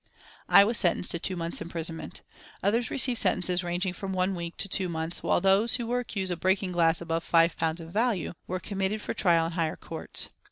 I was sentenced to two months' imprisonment. Others received sentences ranging from one week to two months, while those who were accused of breaking glass above five pounds in value, were committed for trial in higher courts.